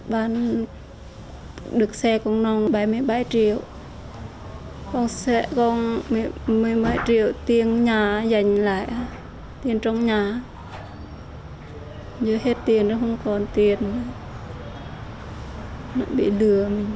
bán được xe công nông bảy mươi ba triệu